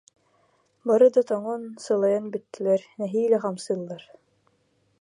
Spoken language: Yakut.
Бары да тоҥон, сылайан бүттүлэр, нэһиилэ хамсыыллар